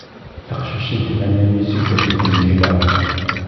Taqcict n tmanya n yiseggasen tennejla.